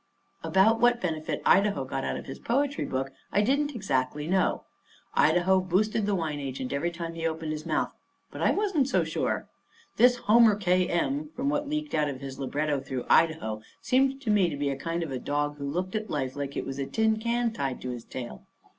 About what benefit Idaho got out of his poetry book I didn't exactly know. Idaho boosted the wine agent every time he opened his mouth; but I wasn't so sure. This Homer K. M., from what leaked out of his libretto through Idaho, seemed to me to be a kind of a dog who looked at life like it was a tin can tied to his tail.